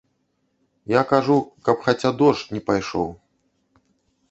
Я кажу, каб хаця дождж не пайшоў.